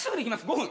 ５分。